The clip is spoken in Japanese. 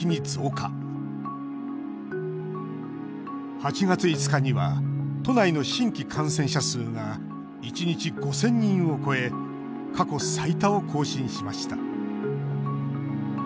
８月５日には都内の新規感染者数が１日５０００人を超え過去最多を更新しました。